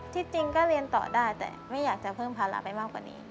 ที่จริงก็เรียนต่อได้แต่ไม่อยากจะเพิ่มภาระไปมากกว่านี้